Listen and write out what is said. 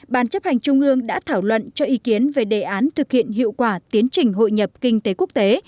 ban chấp hành trung ương đã thảo luận cho ý kiến về đề án thực hiện hiệu quả tiến trình hội nhập kinh tế quốc tế